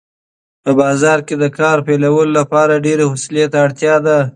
په بازار کې د کار پیلولو لپاره ډېرې حوصلې ته اړتیا ده.